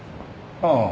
ああ。